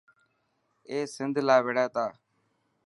اي سنڌ لاءِ وڙهي تا.